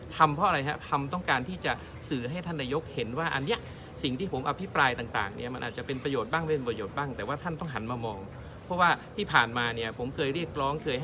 ทำเพราะอะไรครับทำต้องการที่จะสื่อให้ท่านนายก